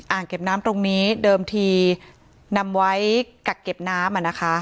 เก็บน้ำตรงนี้เดิมทีนำไว้กักเก็บน้ำอ่ะนะคะ